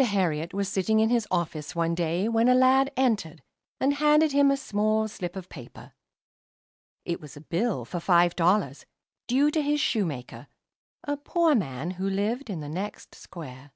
Herriot was sitting in his office, one day, when a lad entered, and handed him a small slip of paper. It was a bill for five dollars, due to his shoemaker, a poor man who lived in the next square.